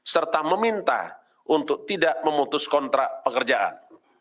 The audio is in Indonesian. serta meminta untuk tidak memutus kontrak pekerjaan